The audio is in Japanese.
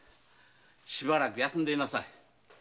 しばらく休んでいなさい。